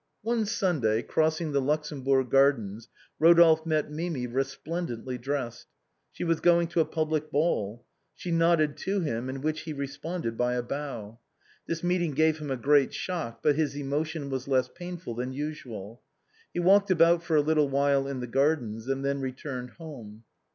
One Sunday, crossing the Luxembourg Gardens, Eodolphe met Mimi resplendently dressed. She was going to a public ball. She nodded to him, to which he responded by a bow. This meeting gave him a great shock, but his emo tion was less painful than usual. He walked about for a little while in the gardens, and then returned home.